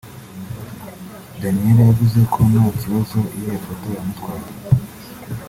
Daniella yavuze ko nta kibazo iriya foto yamutwaye